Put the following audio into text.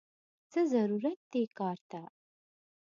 څه ضرورت دې کار ته!!